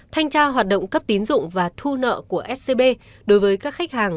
thanh tra hoạt động cấp tín dụng và thu nợ của scb đối với các khách hàng